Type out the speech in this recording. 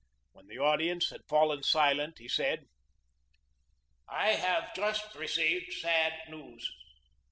When the audience had fallen silent he said: "I have just received sad news.